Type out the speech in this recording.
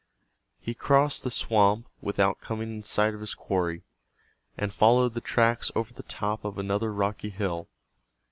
He crossed the swamp without coming in sight of his quarry, and followed the tracks over the top of another rocky hill.